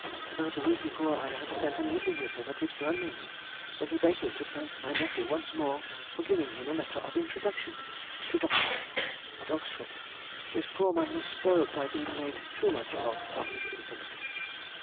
About a week before I had spent an evening with him at his grandmother's, when he begged me to thank my nephew once more for giving him a letter of introduction to Dr. ——, at Oxford. This poor man was spoiled by being made too much of from his infancy.